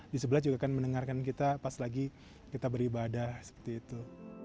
di sebelah juga akan mendengarkan kita pas lagi kita beribadah seperti itu